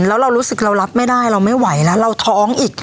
แล้วเรารู้สึกเรารับไม่ได้เราไม่ไหวแล้วเราท้องอีก